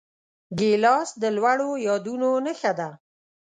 ګیلاس د لوړو یادونو نښه ده.